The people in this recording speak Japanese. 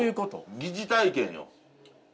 疑似体験？